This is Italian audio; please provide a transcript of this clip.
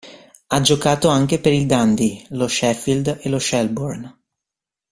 Ha giocato anche per il Dundee, lo Sheffield e lo Shelbourne.